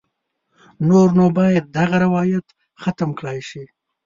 نور نو باید دغه روایت ختم کړای شي.